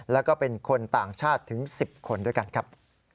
แล้วก็เป็นคนต่างชาติถึง๑๐คนด้วยกันครับ